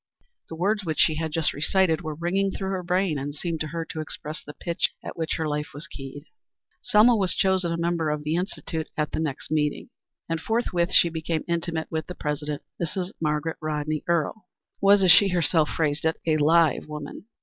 The words which she had just recited were ringing through her brain and seemed to her to express the pitch at which her life was keyed. Selma was chosen a member of the Institute at the next meeting, and forthwith she became intimate with the president. Mrs. Margaret Rodney Earle was, as she herself phrased it, a live woman.